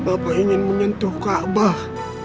bapak ingin menyentuh kaabah